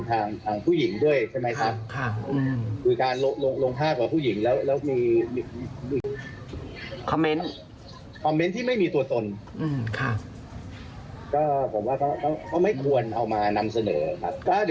แกก็ต้องฮือฮานะคะ